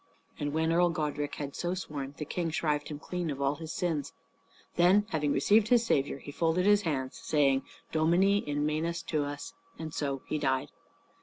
And when Earl Godrich had so sworn, the King shrived him clean of all his sins. Then having received his Saviour he folded his hands, saying, "Domine, in manus tuas;" and so he died.